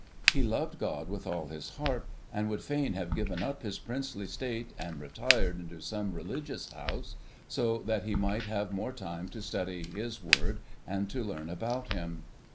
He loved God with all his heart, and would fain have given up his princely state and retired into some religious house, so that he might have more time to study His Word, and to learn about Him.